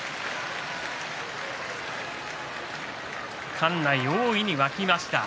館内、大いに沸きました。